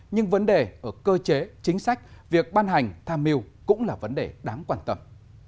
nhưng vấn đề ở cơ chế chính sách việc ban hành tham mưu cũng là vấn đề đáng quan tâm